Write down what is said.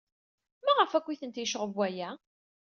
Maɣef akk ay tent-yecɣeb waya?